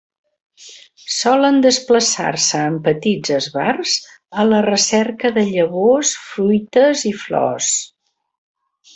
Solen desplaçar-se en petits esbarts a la recerca de llavors, fruites i flors.